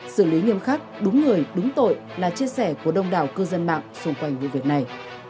xử lý nghiêm khắc đúng người đúng tội là chia sẻ của đông đảo cư dân mạng xung quanh vụ việc này